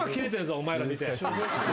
お前ら見て。